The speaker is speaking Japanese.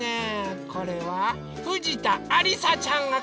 これはふじたありさちゃんがかいてくれました。